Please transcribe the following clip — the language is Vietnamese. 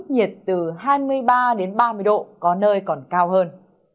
nhiệt từ hai mươi ba đến ba mươi độ có nơi còn cao hơn